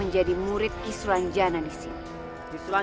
jadi kalian semua